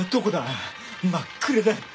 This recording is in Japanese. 真っ暗だ。